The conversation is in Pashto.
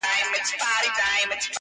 که معنا د عقل دا جهان سوزي وي,